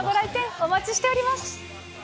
お待ちしております。